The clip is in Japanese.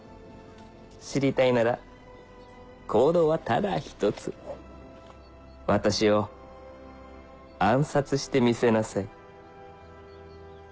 知りたいなら行動はただ１つ私を暗殺してみせなさい